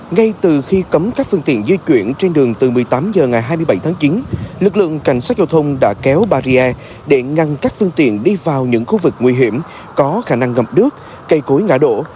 ngay từ khi cấm các phương tiện di chuyển trên đường từ một mươi tám h ngày hai mươi bảy tháng chín lực lượng cảnh sát giao thông đã kéo barrier để ngăn các phương tiện đi vào những khu vực nguy hiểm có khả năng ngập nước cây cối ngã đổ